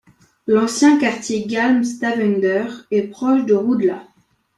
L'ancien quartier Gamle Stavanger est proche de Rudlå.